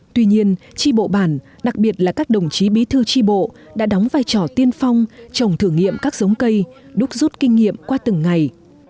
tuy nhiên tri bộ bản đặc biệt là các đồng chí bí thư tri bộ đã đóng vai trò tiên phong trồng thử nghiệm các giống cây đúc rút kinh nghiệm qua từng ngày